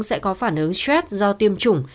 sẽ có phản ứng stress do tiêm chủng